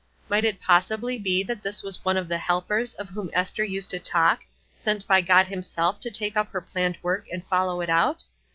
Might it possibly be that this was one of the "helpers" of whom Ester used to talk, sent by God himself to take up her planned work and follow it out?